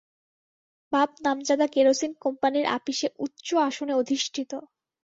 বাপ নামজাদা কেরোসিন কোম্পানির আপিসে উচ্চ আসনে অধিষ্ঠিত।